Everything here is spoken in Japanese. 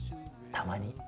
たまに。